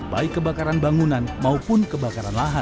baik kebakaran bangunan maupun kebakaran lahan